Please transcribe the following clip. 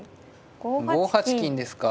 ５八金ですか。